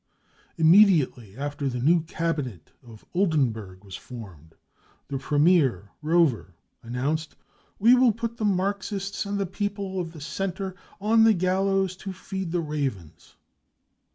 95 Immediately after the new cabinet of Oldenburg was formed, the premier, Rover, announced : cc We will put the Marxists and the people of the Centre on the gallows to feed the ravens."